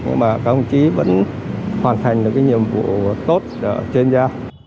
nhưng mà các đồng chí vẫn hoàn thành được cái nhiệm vụ tốt trên da